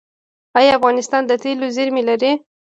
آیا افغانستان د تیلو زیرمې لري؟